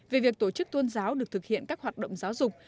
về việc tổ chức tôn giáo được thực hiện các hoạt động giáo dục